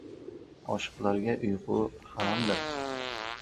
• Oshiqlarga uyqu haromdir.